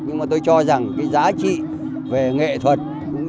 nhưng mà tôi cho rằng cái giá trị về nghệ thuật